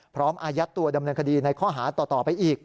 อายัดตัวดำเนินคดีในข้อหาต่อไปอีก